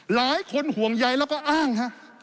หลายคนห่วงใยแล้วก็อ้างฮะ